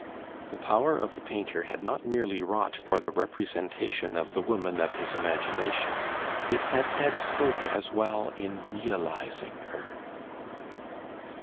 The power of the painter had not merely wrought for the representation of the woman of his imagination; it had had scope as well in realising her.